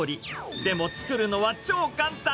でも作るのは超簡単。